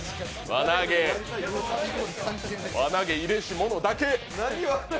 輪投げ入れし者だけ。